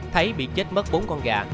thấy bị chết mất bốn con gà